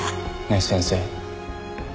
ねえ先生